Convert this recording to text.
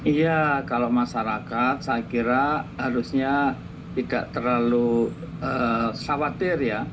iya kalau masyarakat saya kira harusnya tidak terlalu khawatir ya